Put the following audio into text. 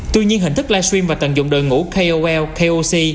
tuy nhiên hình thức live stream và tận dụng đội ngũ kol koc